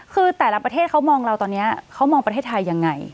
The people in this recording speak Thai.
คือแต่ละประเทศเขามองเราตอนนี้เขามองประเทศไทยยังไง